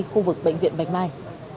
khu vực bệnh viện bạch mai